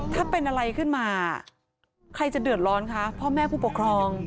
ถ้าเป็นอะไรขึ้นมาใครจะเดือดร้อนคะพ่อแม่ผู้ปกครอง